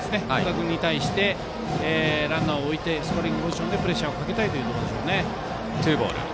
君に対してランナーを置いてスコアリングポジションでプレッシャーをかけたいところでしょうね。